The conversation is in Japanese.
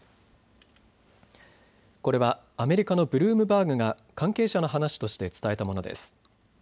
これはアメリカのブルームバーグが関係者の話として伝えたものです。